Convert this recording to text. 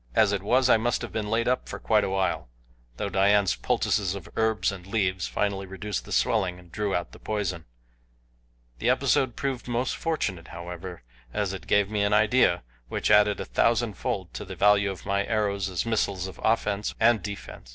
As it was I must have been laid up for quite a while, though Dian's poultices of herbs and leaves finally reduced the swelling and drew out the poison. The episode proved most fortunate, however, as it gave me an idea which added a thousand fold to the value of my arrows as missiles of offense and defense.